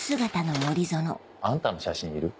あんたの写真いる？